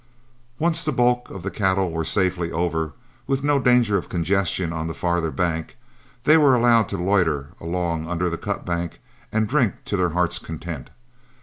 Once the bulk of the cattle were safely over, with no danger of congestion on the farther bank, they were allowed to loiter along under the cutbank and drink to their hearts' content.